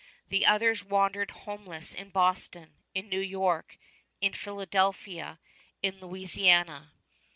The others wandered homeless in Boston, in New York, in Philadelphia, in Louisiana.